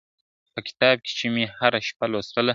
په کتاب کي چي مي هره شپه لوستله `